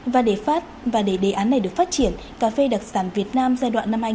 và để phát và để đề án này được phát triển cà phê đặc sản việt nam giai đoạn năm hai nghìn hai mươi một hai nghìn ba mươi